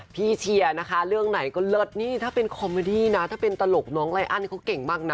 เชียร์นะคะเรื่องไหนก็เลิศนี่ถ้าเป็นคอมเมอดี้นะถ้าเป็นตลกน้องไรอันเขาเก่งมากนะ